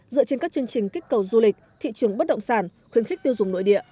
dựa trên các chương trình kích cầu du lịch thị trường bất động sản khuyến khích tiêu dùng nội địa